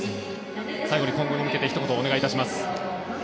最後に今後に向けてひと言お願いします。